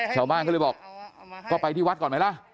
ชาวบ้านก็เลยบอกก็ไปที่วัดก่อนไหมล่ะ